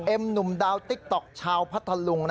เอ็มนุมดาวติ๊กต๊อกชาวพัทรลุง